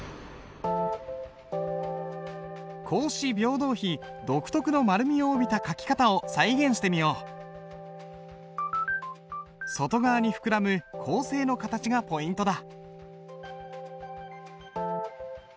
「孔子廟堂碑」独特の丸みを帯びた書き方を再現してみよう。外側に膨らむ向勢の形がポイントだ。